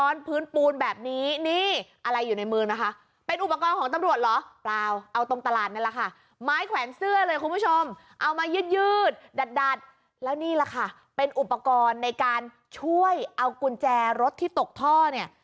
ยืดยืดดัดดัดแล้วนี่แหละค่ะเป็นอุปกรณ์ในการช่วยเอากุญแจรถที่ตกท่อเนี่ย